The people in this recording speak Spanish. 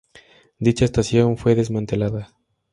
Dicha estación fue desmantelada.